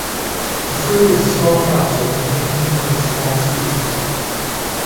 The fruit is a small capsule, containing numerous small seeds.